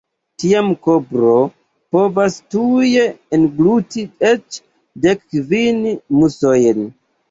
Tiam kobro povas tuj engluti eĉ dek kvin musojn.